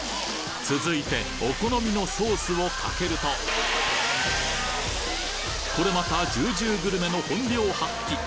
続いてお好みのソースをかけるとこれまたジュージューグルメの本領発揮！